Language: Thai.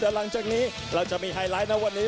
แต่หลังจากนี้เราจะมีไฮไลท์นะวันนี้